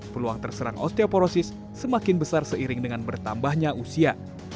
peluang terserang osteoporosis semakin besar seiring dengan bertambahnya usia